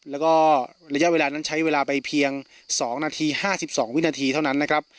แล้วก็ระยะเวลานั้นใช้เวลาไปเพียง๒นาที๕๒วินาทีเท่านั้นนะครับ